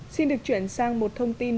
xin được chuyển sang một thông tin